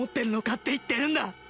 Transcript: って言ってるんだ